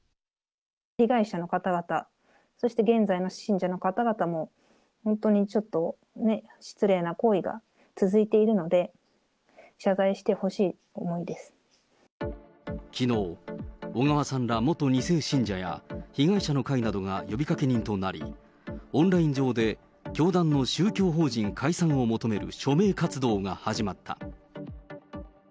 被害者の方々、そして現在の信者の方々も、本当にちょっと失礼な行為が続いているので、謝罪してほしい思いきのう、小川さんら元２世信者や、被害者の会などが呼びかけ人となり、オンライン上で教団の宗教法人解散を求める署名活動が始まった。